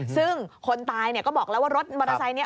ซึ่งคนตายก็บอกแล้วว่ารถมอเตอร์ไซค์นี้